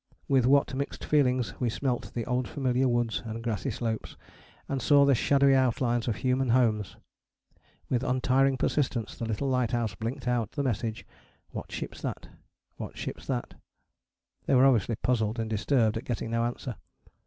With what mixed feelings we smelt the old familiar woods and grassy slopes, and saw the shadowy outlines of human homes. With untiring persistence the little lighthouse blinked out the message, "What ship's that?" "What ship's that?" They were obviously puzzled and disturbed at getting no answer.